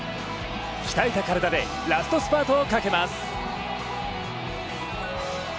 鍛えた体でラストスパートをかけます。